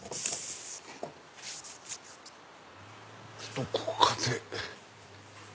どこかで。